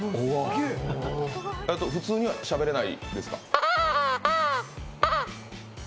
普通にはしゃべれないですか？